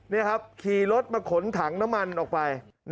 นี่ครับขี่รถมาขนถังน้ำมันออกไป